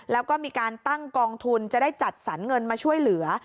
แล้วก็มีการตั้งกองทุนจะได้จัดสรรเงินมาช่วยเหลือ